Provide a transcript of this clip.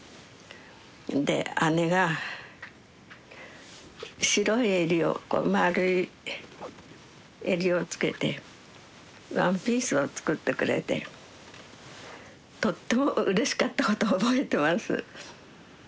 で姉が白い襟をこう丸い襟をつけてワンピースを作ってくれてとってもうれしかったことを覚えてます。